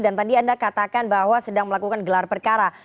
dan tadi anda katakan bahwa sedang melakukan gelar perkara